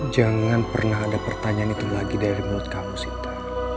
jangan pernah ada pertanyaan itu lagi dari mulut kamu sita